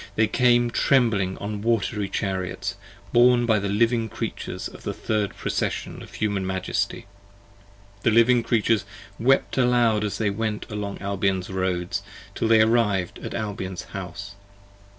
they came trembling on wat'ry chariots, Borne by the Living Creatures of the third procession Of Human Majesty: the Living Creatures wept aloud as they Went along Albion's roads, till they arriv'd at Albion's House.